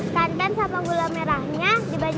tanten sama gula merahnya dibanyakin ya